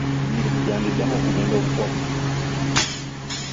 Emirimu gyandiddamu okugenda obukwakku.